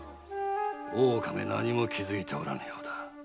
大岡め何も気づいておらぬようだ。